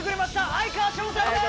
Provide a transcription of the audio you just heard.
哀川翔さんです！